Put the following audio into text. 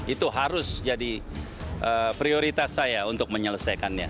itu harus jadi prioritas saya untuk menyelesaikannya